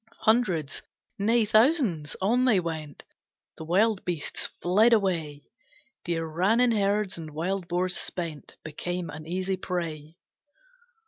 Hundreds, nay thousands, on they went! The wild beasts fled away! Deer ran in herds, and wild boars spent Became an easy prey.